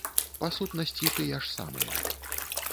Па сутнасці, тыя ж самыя.